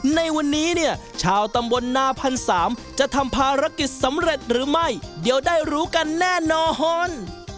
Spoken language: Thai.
ในวันนี้เนี่ยชาวตำบลนาพันสามจะทำภารกิจสำเร็จหรือไม่เดี๋ยวได้รู้กันแน่นอน